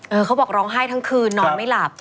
เขาบอกร้องไห้ทั้งคืนนอนไม่หลับ